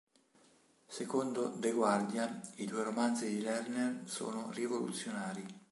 Secondo The Guardian, i due romanzi di Lerner sono "rivoluzionari".